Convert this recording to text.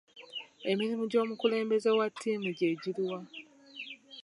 Emirimu gy'omukulembeze wa ttiimu gye giriwa?